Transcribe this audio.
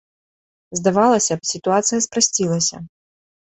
Здавалася б, сітуацыя спрасцілася.